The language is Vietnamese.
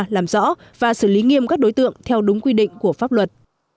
làm rõ và xử lý nghiêm các đối tượng theo đúng quy định của pháp luật